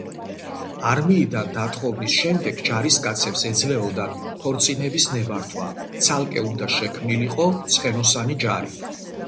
არმიიდან დათხოვნის შემდეგ ჯარისკაცებს ეძლეოდათ ქორწინების ნებართვა, ცალკე უნდა შექმნილიყო ცხენოსანი ჯარი.